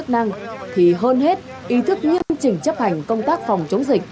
đơn hết ý thức nghiêm trình chấp hành công tác phòng chống dịch